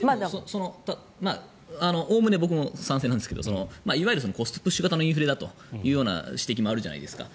おおむね僕も賛成なんですけどいわゆるコストプッシュ型のインフレだという指摘もあるじゃないですか。